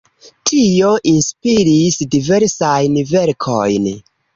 Tio inspiris diversajn verkojn.